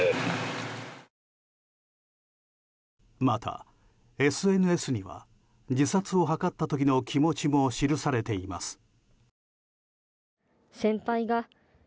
また、ＳＮＳには自殺を図った時の気持ちも記されています。